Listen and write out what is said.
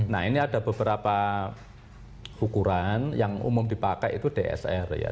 nah ini ada beberapa ukuran yang umum dipakai itu dsr ya